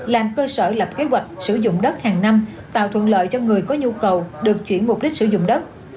làm cơ sở lập kế hoạch sử dụng đất hàng năm tạo thuận lợi cho người có nhu cầu được chuyển mục đích sử dụng đất